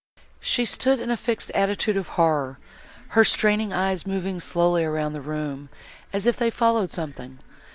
She stood in a fixed attitude of horror, her straining eyes moving slowly round the room, as if they followed something.